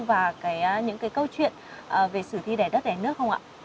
và những cái câu chuyện về sử thi đẻ đất đẻ nước không ạ